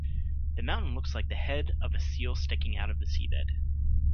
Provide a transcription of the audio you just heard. The mountain looks like the head of a seal sticking out of the seabed.